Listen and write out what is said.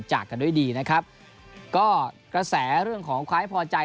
จากกันด้วยดีนะครับก็กระแสเรื่องของความไม่พอใจ